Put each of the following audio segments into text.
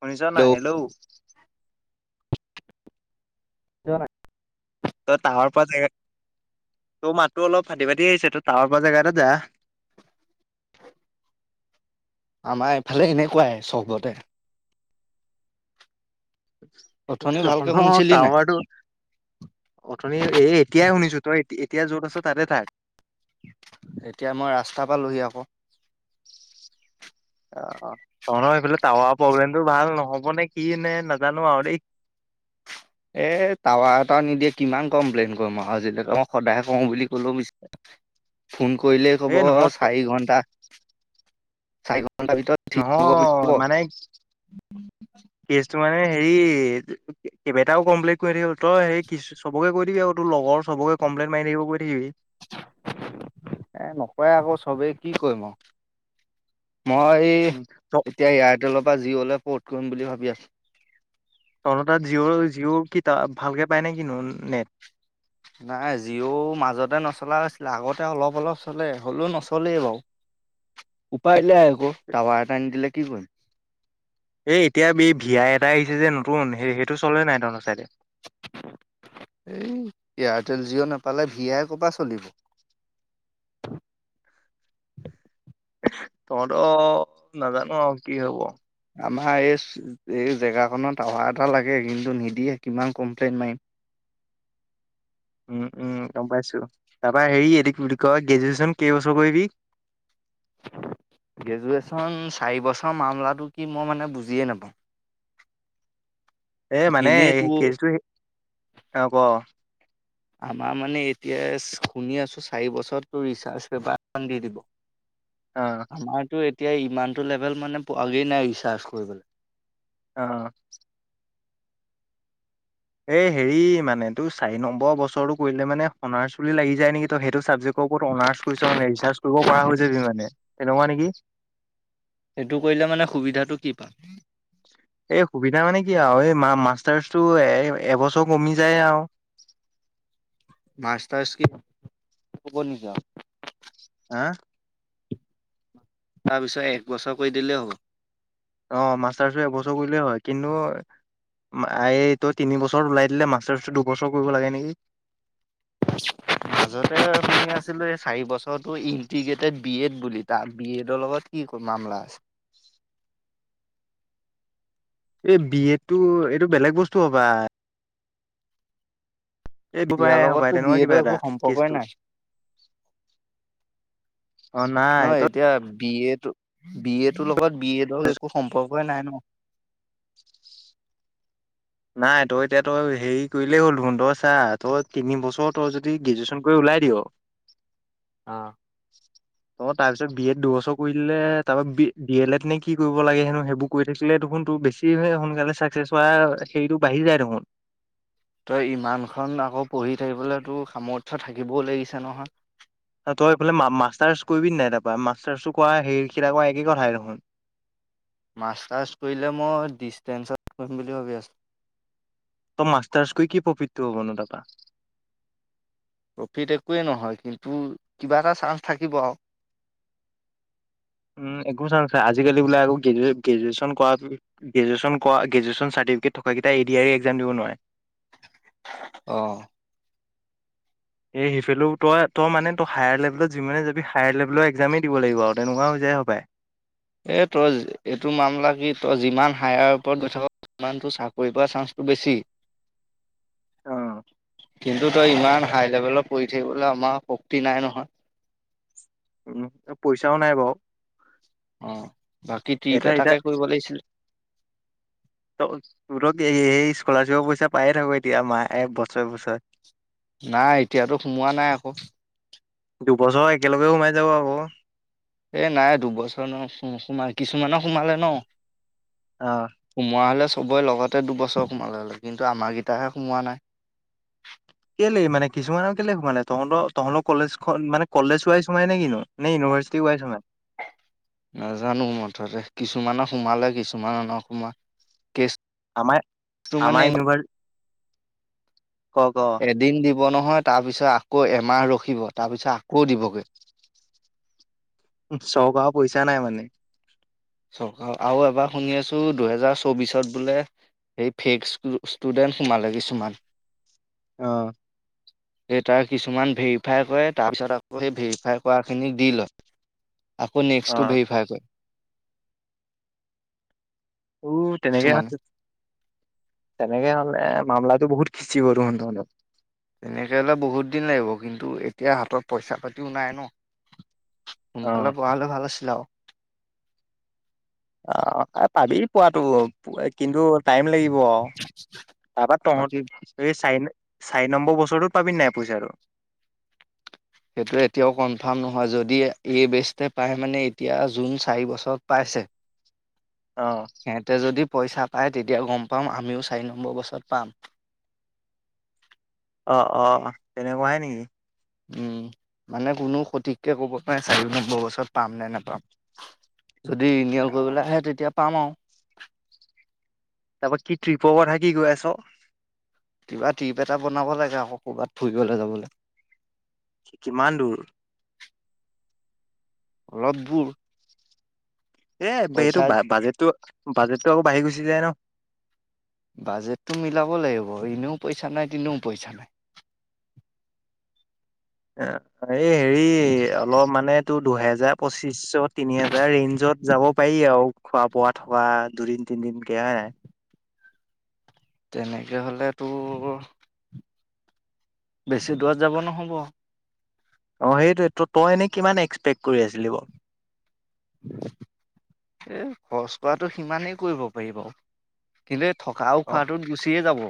শুনিছ নাই হেল্ল'। যোৱা নাই। তই তাৱৰ পোৱা জেগা তোৰ মাতটো অলপ ফাটি ফাটি আহিছে তই তাৱৰ পোৱা জেগা এটা যা। আমাৰ এইফালে এনেকুৱাই চবতে। অথনি ভালকে টাউনৰ শুনিছিলি নাই টাৱাৰটো অথনি এই এতিয়াই শুনিছো তই এতিয়া য'ত আছ ততে থাক। এতিয়া মই ৰাস্তা পালোহি আকৌ। অঁ তহঁতৰ সেফালে টাউৰ প্ৰগ্লেমতটো ভাল নহ'ব নে কি নে নাজানো আৰু দেই। এ টাউৰ এটা নিদিয়ে কিমান কমপ্লেইন কৰিম আৰু আজিলৈকে মই সদায় কওঁ বুলি কলেও বি ফোন কৰিলেই ক'ব এ নহয় চাৰি ঘণ্টা চাই নহয় মানে কেচটো মানে হেৰি কেইবটাও কমপ্লেইন কৰি থাকিব তই কি চবকে কৈ দিবি আৰু তোৰ লগৰ চবকে কমপ্লেইনট মাৰি থাকিব কৈ থাকিবি। এ নকয় আকৌ চবেই কি কৰিম আৰু। মই উম, ত এতিয়া এয়াৰটেলৰ পৰা জিঅ' লেই পৰ্ট কৰিম বুলি ভাবি আছো। তহঁতৰ তাত জিঅ' জিঅ' কিতাত ভালকে পায়নে কি নেট? নাই জিঅ' মাজতে নচলা হৈছিলে। আগতে অলপ অলপ চলে হ'লেও নচলে বাৰু, উপাই নাই। আকৌ টাৱাৰ এটা নিদিলে কি কৰিম। এ, এতিয়া বে ভিয়াই এটা আহিছে যে নতুন সেই সেইটো চলে নাই তহঁতৰ ছাইদে? এই এয়াৰটেল জিঅ' নাপালে ভি আই ক'ৰপা চলিব। তহঁতক নাজানো আৰু কি হব। আমাৰ এইচ এই জেগাখনত টাউৰ এটা লাগে কিন্তু নিদিয়ে, কিমান কমপ্লেইন মাৰিম। উম, উম, গম পাইছো। তাৰপা হেৰি এদিক বুলি কয় গ্ৰেজুৱেশ্যন কেইবছৰ কৰিবি? গ্ৰেজুৱেচন চাৰিবছৰ মামলাটো কি মই মানে বুজিয়ে নাপাওঁ। এ, মানে এনেইতো কেছটো সি অ', ক আমাৰ মানে এতিয়াচ শুনি আছোঁ চাৰি বছৰত ৰিচাৰ্জ পেপাৰ খন দি দিব। অ আমাৰতো এত তিয়াই ইমানটো লেভেল মানে পোৱা, গি নাই ৰিচাৰ্জ কৰিবলে। অ'। এ, হেৰি মানে তোৰ চাৰি নম্বৰ বছৰটো কৰিলে মানে [unintelligible] চুলি লাগি যায় নেকি? ত' সেইটো চাবজেক ওপৰত অনাৰ্চ কৰিছ মানে ৰিচাৰ্জ কৰিব পৰা হৈছে সি মানে। তেনেকুৱা নেকি? সেইটো কৰিলে মানে সুবিধাটো কি পাম? এই সুবিধা মানে কি আৰু এই মা-মাষ্টাৰছটো এ-এবছৰ কমি যায় আৰু। মাষ্টাৰছ কি [unintelligible] নিকি আৰু? আ তাৰপিছত এক বছৰ কৰি দিলেই হ'ব। অ', মাষ্টাৰছটো এবছৰ কৰিলে হয়। কিন্তু আয়েই তই তিনিবছৰ ওলাই দিলে মাষ্টাৰছটো দুবছৰ কৰিব লাগে নেকি? মাজতে শুনি আছিলো এই চাৰি বছৰটো ইন্টিগ্ৰেটেত বি এট বুলি। তাৰ বি এডৰ লগত কি মামলা আছে? এ, বি এটটো এইটো বেলেগ বস্তু হ'ব পাৰে। দুবাই ইয়াৰ হপাই লগততো বি তেনেকুৱা কিবা এডৰ এটা একো সম্পৰ্কই কেচটো নাই। অ নাই নহয় তই এতিয়া বি এটো, বি এটোৰ লগত বি এডৰ একো সম্পৰ্কই নাই নহয়। [inaudible] নাই, তই এতিয়া তই হেৰি কৰিলেই হ'ল দেখোন, তই চা তই তিনি বছৰ তই যদি গ্ৰেজুৱেচন কৰি ওলাই দিয় অ'। অ', তাৰপিছত বি এড দুবছৰ কৰি দিলে তাৰপৰা ডি এল এড নে কি কৰিব লাগে হেনো, সেইবোৰ কৰি থাকিলে দেখোন তোৰ বেছিহে সোনকালে চাকচেছ হোৱা সেইটো বাঢ়ি যায় দেখোন। তই ইমানখন আকৌ পঢ়ি থাকিবলৈ তোৰ সামৰ্থ্য থাকিবও লাগিছে নহয়। অ', তই এইফালে মা-মাষ্টাৰ্ছ কৰিবি নে নাই তাৰপৰা? মাষ্টাৰ্ছো কৰা হেৰি [unintelligible] কৰা, একেই কথাই দেখোন। মাষ্টাৰ্ছ কৰিলে, মই ডিষ্টেনচত কৰিম বুলি ভাবি আছোঁ। তই মাষ্টাৰ্ছ কৰি কি প্ৰফিটতো হ'বনো তাৰপা? প্ৰফিট একোৱেই নহয়, কিন্তু কিবা এটা চান্স থাকিব আৰু। উম, একো চান্স নাই। আজিকালি বোলে আকৌ গ্ৰেজু-গ্ৰেজুৱেচন কৰা গ্ৰেজুৱেচন কৰা গ্ৰেজুৱেচন চাৰ্টিফিকেট থকাকেইটাই A D R E exam দিব নোৱাৰে। অ'। এ হেইফেলেও তই, তই মানে তই হায়াৰ লেবেলত যিমানে যাবি, হায়াৰ লেবেলৰ একজামেই দিব লাগিব আৰু তেনেকুৱা হৈ যায় [unintelligible] এই তই, এইটো মামলা কি তই যিমান হায়াৰ ওপৰত গৈ থা [unintelligible] সিমান তোৰ চাকৰি পোৱা চান্সটো বেছি। অ কিন্তু তই, ইমান হায়াৰ লেবেলত পঢ়ি থাকিবলৈ আমাৰ শক্তি নাই নহয়। উম, পইচাও নাই বাৰু। অ', বাকী এটা ট্ৰিপ এতিয়া এটাকে কৰিব লাগিছিল। ত' তোৰটো [unintelligible] স্কলাৰশ্বিপৰ পইচা পায়ে থাক' এতিয়া মাহ, এই বছৰে-বছৰে। নাই, এতিয়াতো সোমোৱা নাই আকৌ। দুবছৰ একেলগে সোমাই যাব আকৌ। এ নাই, দুবছৰ [unintelligible] নোসোমাই! কিছুমানৰ সোমালে ন'। অ। সোমোৱা হলে চ সবৰে লগতে দুবছৰ সোমালে হ'ললে, কিন্তু আমাৰকেইটাহে সোমোৱা নাই। কেলেই মানে কিছুমানৰ কেলে সোমানে তহঁত তঁৰ কলেজখন মানে কলেজ ৱাইজ সোমায় নে কিনো নে ইউনিভাৰ্চিটি ৱাইজ সোমাই? নাজানো মুঠতে কিছুমানক সোমালে কিছুমানৰ ন সোমোৱাই কে আম, আমাৰ ইনোভা এদিন দিব নহয়। তাৰ পিছত আকৌ এমাহ ৰখিব, তাৰপিছত আকৌ দিবগে। উম চৰকক পইচা নাই মানে। চৰকাৰ আৰু এবাৰ শুনি আছো, দুহেজাৰ চৌবিশত বোলে সেই ফেক ষ্টুডেণ্ট সোমালে কিছুমান। আহ। এ তাৰ কিছুমান ভেৰিফাই কৰে, তাৰপিছত আকৌ সেই ভেৰিফাই কৰাখিনিক দি লয়। আকৌ নেক্সটো অ', ভেৰিফাই কৰে। উ তেনেকে কিছুমানে। হাত তেনেকে হলে মামলাতো বহুত খিচি কৰো স তহলে। তেনেকৈ হ'লে বহুত দিন লাগিব, কিন্তু এতিয়া হাতত পইচা পাতিও নাই ন। সোনকালে অ', পোৱা হ'লে ভাল আছিলে। [unintelligible] অ' এ পাবি পোৱাাতো কিন্তু টাইম লাগিব। অ', তাৰপৰা বাকী তহঁত এই চাৰি চাৰি নম্বৰ বছৰতত পাবি নাই পইচা টো সেইটো এতিয়াও কনফাৰ্ম নহয় যদি এই বেষ্টে পাই মানে এতিয়া জুন চাৰি বছৰ পাইছে। অ', সেতে যদি পইচা পায় তেতিয়া গম পাম আমিও চাৰি নম্বৰ বছৰত পাম। অ অ তেনেকুৱাহে নেকি? উম মানে কোনো সঠিককে ক'ব নোৱাৰে চাৰি নম্বৰ বছৰত পাম নে নোপাম। যদি ৰিনিয়ল অ', কৰিবলে আহে তেতিয়া পাম আও। তা পা কি ট্ৰিপৰ কথা কি কৈ আছ? কিবা টিপ এটা বনাব লাগে আক ক'বাত ফুৰিবলে যাবলে। কিমান দূৰ? অলপ দূৰ। এ এইটো বাজেটটো বাজেটটো আকৌ বাঢ়ি গুচি যায় ন। বাজেটটো মিলাব লাগিব এনেও পইচা নাই তেনেও পইচা নাই। এ। এই হেৰি অলপ মানে টো দুহেজাৰ পঁচিশ শ তিনি হোজাৰ ৰেঞ্জত যাব পাৰি আৰু খোৱা বোৱা থকা দুদিন তিনদিনকে হয় নাই? তেনেকে হ'লে তোৰ বেছি দূৰত যাব নহ'ব। অ সেইটোয়ে ত তই এনেই কিমান এক্সপেক্ট কৰি আছিলি বাও। এ খৰচ কৰাতটো সিমানেই কৰিব পাৰিব কিন্তু থকাও অ খোৱাটোত গুচিয়ে যাব।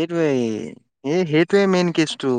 এইটোৱেই এই সেইটোৱে মেইন কেছটো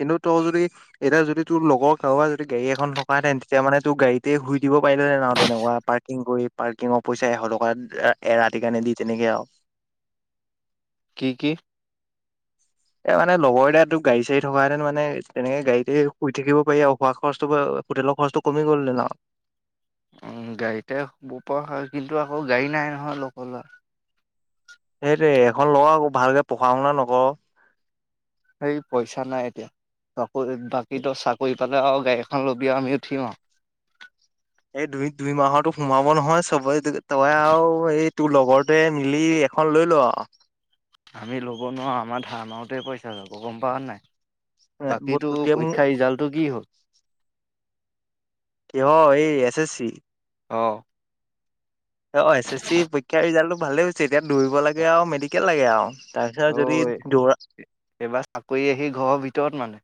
কিন্তু তোৰ যদি এতিয়া যদি তোৰ লগৰ কাৰোবাৰ যদি গাড়ী এখন থকাহেতেন তেতিয়া মানে তোৰ গাড়ীতে শুই দিব পাৰিলেঁতেন তেনেকুৱা পাৰ্কিং কৰি পাৰ্কিঙৰ পইচা এশ টকা এৰাতি কাৰণে দি তেনেকে আৰু কি কি? এ মানে লগৰ এ গাড়ী চাডী থকাহেতেন মানে তেনেকে গাড়ীতে শুই থাকিব পাৰি আৰু খোৱা খৰচটো হোটেলৰ খৰচটো কমি গ'ল দে ন আউ উম গাড়ীতেই পৰা হয় কিন্তু আকৌ গাড়ী নাই নহয় লগৰ ল'ৰাৰ সেইটোৱে এখন লগ আকৌ ভালকে পঢ়া শুনা নকৰ। সেই পইচা নাই এতিয়া থ বাকী তো চাকৰি তাতে আৰু গাড়ী এখন লবি আৰু আমি উঠিম আৰু এই দুই দুই মাহৰতো সোমাব নহয় চবেই তয়ে আৰু এই তোৰ লগৰতোয়ে মিলি এখন লৈ ল আমি ল'ব নোৱাৰো আমাৰ ধাৰ মাৰোতে পইচা যাব গম পাৱ নে নাই? আৰু বাকীটো তোতকে মোৰ পৰীক্ষা ৰিজাল্টটো কি হ'ল? কিয় এই এচ এছ ছি অঁ, অ এছ এছ চি পৰীক্ষাৰ ৰিজাল্টটো ভালেই হৈছে এতিয়া দৌৰিব লাগে আৰু মেডিকেল লাগে আৰু তাৰপিছত যদি ওহ দৌৰা এইবাৰ চাকৰি আহি ঘৰৰ ভিতৰত মানে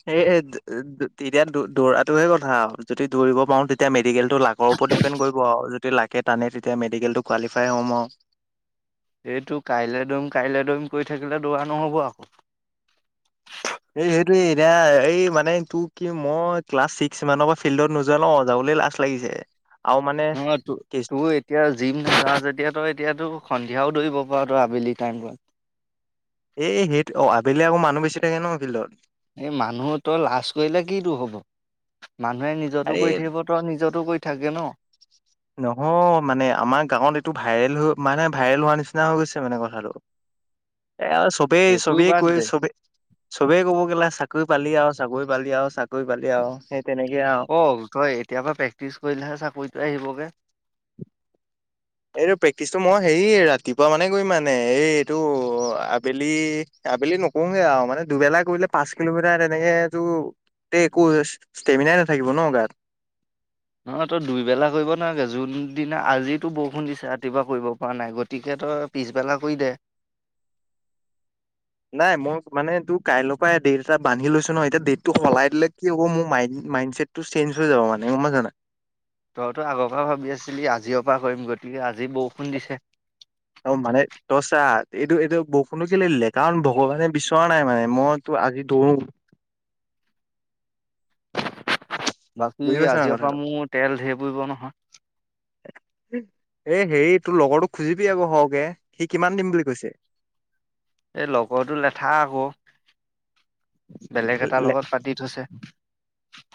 সেই তেতিয়া দৌৰাটোহে কথা যদি দৌৰিব পাৰো তেতিয়া মে মেডিকেলটো লাকৰ ওপৰত ডিপেন কৰিব আৰু যদি লাগে টানে তেতিয়া মেডিকেলটো কোৱালিফাই হ'ম আও। এইটো কাইলৈ দৰিম কাইলৈ দৰিম কৰি থাকিলে দৌৰা নহব আকৌ। এই সেইটোে এতিয়া এই মানে তোৰ কি মই ক্লাছ ছিক্স মানৰ পৰা ফিল্ডত নোযোৱা ল যাবলৈ লাজ লাগিছে। আৰু মানে ন ত কেচ তোৰ এতিয়া জিম নাযাও যেতিয়া এতিয়া তোৰ ক্ষন হাও দৌৰিব পৰা তো আবেলি টাইম পৰা। এ সেইটো অ আবেলি আকৌ মানুহ বেছি থাকে ন ফিল্ডত। এই মানুহ তই লাজ কৰিলে কিটো হ'ব? মানুহে নিজতো আৰে, কৰি থাকিব তই নিজতো কৰি থাকে ন নহয় মানে আমাৰ গাঁৱত এইটো ভাইৰেল হৈ মানে ভাইৰেল হোৱাৰ নিচিনা হৈ গৈছে মানে কথাটো। এই আৰু চবেই সেইটো চবেই বাদ কৈ দে চবেই চবেই কব কেলা চাকৰি পালি আৰু। চাকৰি পালি আৰু চাকৰি পালি আৰু সেই তেনেকে আৰু। ক তই এতিয়া পৰা প্ৰেক্টিচ কৰিলেহে চাকৰিটো আহিবগে। এইটো প্ৰেক্টিচটো মই হেৰি ৰাতিপুৱা মানে কৰিম মানে এই এইটো আবেলি আবেলি নকৰোগে আৰু মানে দুবেলা কৰিলে পাঁচ কিলোমিটাৰ তেনেকেটো একো ষ্টেমিনাই নাথাকিব ন গাত। নহ তই দুইবেলা কৰিব নালাগে যোনদিনা আজি তো বৰষুণ দিছে ৰাতিপুৱা কৰিব পৰা নাই গতিকে তই পিছবেলা কৰি দে। নাই মই মানে তোৰ কালিৰ পৰা ডেট এটা বান্ধি লৈছো ন, এতিয়া ডেটটো সলাই দিলে কি হ'ব মোৰ মইণ্ড চে'টটো চেঞ্জ হৈ যাব মনে গম পাইছ নে নাই? তইতো আগৰ পৰা ভাবি আছিলি, আজিৰ পৰা কৰিম গতিকে আজি বৰষুণ দিছে অ' মানে তই চা এইটো এইটো বৰষুণ কেলেই দিলে, কাৰণ ভগৱানে বিচৰা নাই মানে মইতো আজি দৌৰো বাকী বুজি পাইছ নাই আজিৰ পৰা কথাটো মোৰ তেল ঢেৰ পুৰিব নহয়। এ' হেৰি তোৰ লগৰটোক খুজিবি আকৌ সৰহকে, সি কিমান দিম বুলি কৈছে? এই লগৰটোৰ লেঠা আকৌ বেলেগ এটাৰ লগত পাতি থৈছে।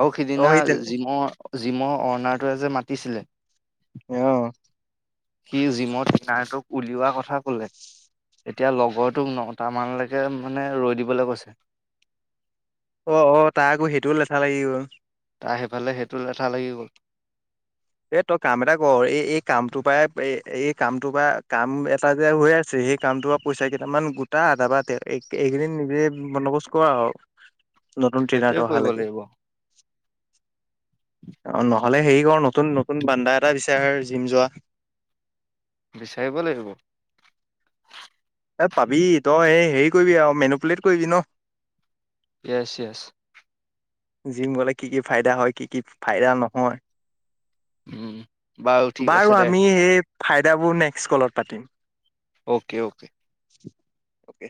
আৰু অ সিদিনা সি তেনে জিমৰ জিমৰ অ'ণাৰটোৱেযে মাতিছিলে। অঁ। সি জিমত কিনাৰটোক উলিওৱা কথা কলে, এতিয়া লগৰটোক নটামানলৈকে মানে ৰৈ দিবলৈ কৈছে। অঁ অঁ' তাৰ আকৌ সেইটোও লেঠা লাগি গ'ল। তাৰ সেইফালে সেইটো লেঠা লাগি গ'ল। এ তই কাম এটা কৰ, এই এই কামটোৰ পৰাই এই কামটোৰ পৰা কাম এটা যে হৈ আছে সেই কামটোৰ পৰা পইচা কেইটামান গোটা তাৰ পৰা এইকেইদিন নিজে বন্দবস্ত কৰ আৰু নতুন সেইটোৱে ট্ৰেইনাৰটো অহা কৰিব লৈকে। লাগিব অ' নহ'লে হেৰি কৰ নতুন নতুন বানদা এটা বিচাৰ আৰু জিম যোৱা। বিচাৰিব লাগিব। এই পাবি, তই এই হেৰি কৰিবি আৰু মেনুপুলট কৰিবি ন ইয়েছ ইয়েছ। জিম গলে কি কি ফাইদা হয়, কি কি ফাইদা নহয়। উম। ঠিক বাৰু আছে দে আমি এই ফাইদাবোৰ নেক্সট কলত পাতিম। Okay okay. অ'কে।